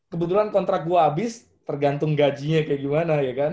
kebetulan kontrak gue habis tergantung gajinya kayak gimana ya kan